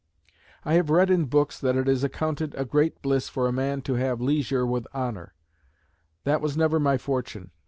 "I have read in books that it is accounted a great bliss for a man to have Leisure with Honour. That was never my fortune.